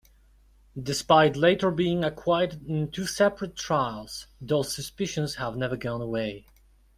Despite later being acquitted in two separate trials, those suspicions have never gone away.